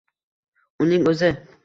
Uning o’zi